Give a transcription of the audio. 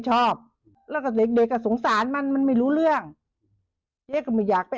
ชอบแล้วก็เด็กเด็กอ่ะสงสารมันมันไม่รู้เรื่องเจ๊ก็ไม่อยากไป